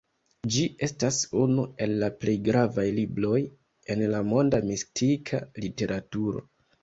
Ĝi estas unu el plej gravaj libroj en la monda mistika literaturo.